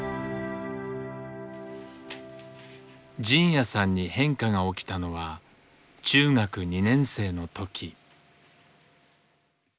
仁也さんに変化が起きたのは中学２年生の時。